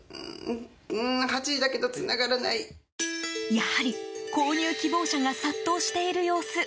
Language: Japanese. やはり購入希望者が殺到している様子。